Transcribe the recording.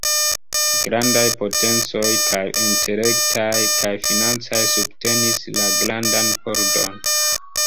Grandaj potencoj, kaj intelektaj kaj financaj subtenis la "grandan pordon".